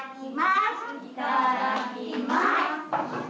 いただきます。